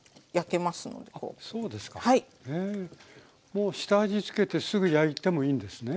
もう下味つけてすぐ焼いてもいいんですね。